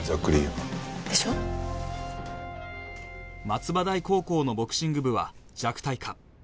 松葉台高校のボクシング部は弱体化